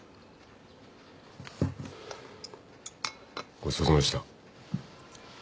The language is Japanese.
ごちそうさまでした。